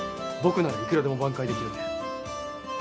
僕ならいくらでも挽回できるんで。